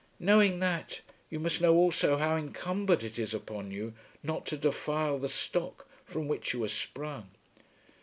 "Knowing that, you must know also how incumbent it is upon you not to defile the stock from which you are sprung."